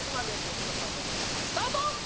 年の差メドレースタート！